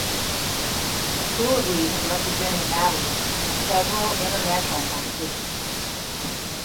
Coulibaly has represented Mali in several international competitions.